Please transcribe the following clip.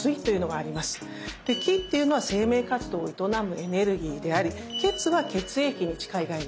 で「気」っていうのは生命活動を営むエネルギーであり「血」は血液に近い概念です。